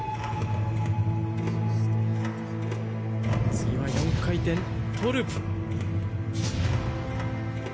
次は４回転トーループ。